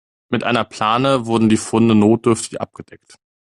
Mit einer Plane wurden die Funde notdürftig abgedeckt.